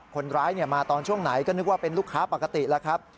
คนร้ายมาตอนช่วงไหนก็นึกว่าเป็นลูกค้าปกติแล้วครับ